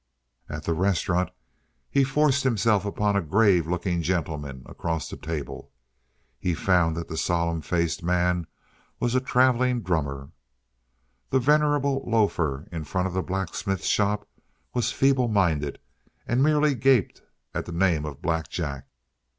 At the restaurant he forced himself upon a grave looking gentleman across the table. He found that the solemn faced man was a travelling drummer. The venerable loafer in front of the blacksmith's shop was feeble minded, and merely gaped at the name of Black Jack.